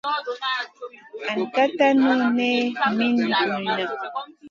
Iyran ka tanu nen min gunna.